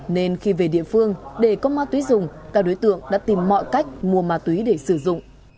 nên khi về địa phương để có ma túy dùng các đối tượng đã tìm mọi cách mua ma túy để sử dụng